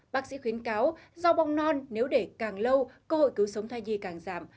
bác sĩ khuyến cáo giao bong non nếu để càng lâu cơ hội cứu sống thai nhi càng giảm